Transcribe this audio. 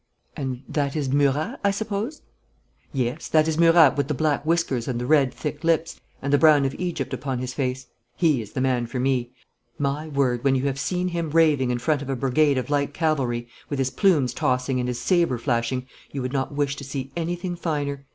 'And that is Murat, I suppose?' 'Yes; that is Murat with the black whiskers and the red, thick lips, and the brown of Egypt upon his face. He is the man for me! My word, when you have seen him raving in front of a brigade of light cavalry, with his plumes tossing and his sabre flashing, you would not wish to see anything finer.